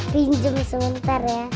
pinjem sebentar ya